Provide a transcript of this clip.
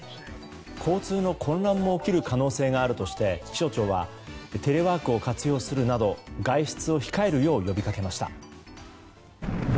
交通の混乱も起きる可能性があるとして気象庁はテレワークを活用するなど外出を控えるよう呼びかけました。